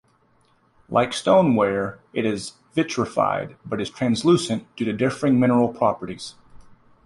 Like stoneware it is vitrified, but is translucent due to differing mineral properties.